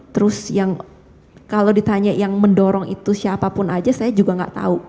terus yang kalau ditanya yang mendorong itu siapapun aja saya juga nggak tahu